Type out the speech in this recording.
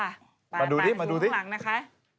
มาดูดิมาดูดิมาดูข้างหลังนะคะ